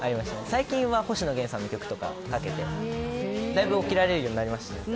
最近は星野源さんの曲とかかけてだいぶ起きられるようになりました。